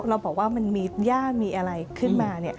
เราบอกว่ามันมีญาติมีอะไรขึ้นมา